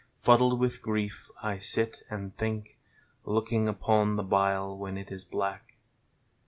Fuddled with grief I sit and think. Looking upon the bile when it is black.